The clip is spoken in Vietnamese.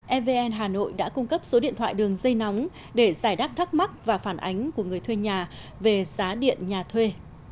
evn hà nội đã cung cấp số điện thoại đường dây nóng để giải đáp thắc mắc và phản ánh của người thuê nhà về giá điện nhà thuê